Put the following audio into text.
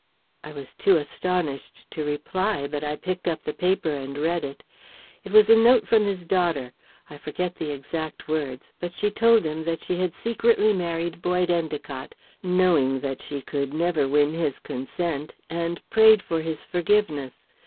"I was too astonished to reply, but I picked up the paper and read it. It was a note from his daughter I forget the exact words but she told him that she had secretly married Boyd Endicott, knowing that she could never win his consent, and prayed for his forgiveness.